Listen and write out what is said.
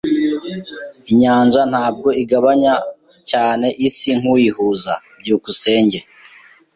Inyanja ntabwo igabanya cyane isi nkuyihuza. byukusenge